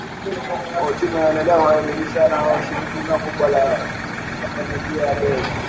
Uchumi unaendelea kukabiliwa na shinikizo kubwa la mfumuko wa bei.